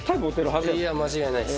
いや間違いないです。